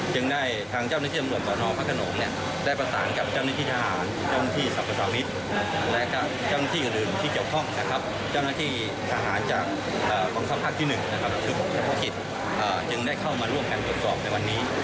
เจ้าหน้าที่สาหารจากภารกิจจึงได้เข้ามาร่วมกันตรวจสอบในวันนี้